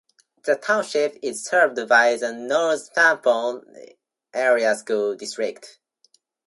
The Township is served by the Northampton Area School District.